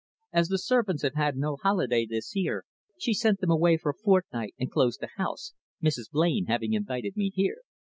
As the servants have had no holiday this year, she sent them away for a fortnight and closed the house, Mrs. Blain having invited me here."